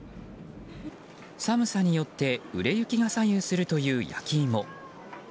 寒さによって売れ行きが左右するという焼き芋。